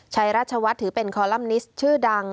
ชัยราชวัฒน์ถือเป็นคอลัมนิสต์ชื่อดัง